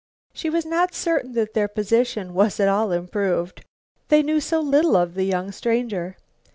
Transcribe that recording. She was not certain that their position was at all improved. They knew so little of the young stranger.